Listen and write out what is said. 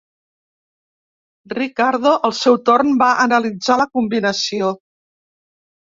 Ricardo, al seu torn, va analitzar la combinació.